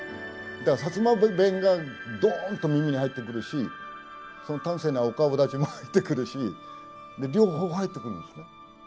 薩摩弁がどーんと耳に入ってくるし端正なお顔だちも入ってくるし両方入ってくるんですね。